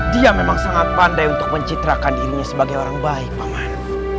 dia memang sangat pandai untuk mencitrakan dirinya sebagai orang baik paman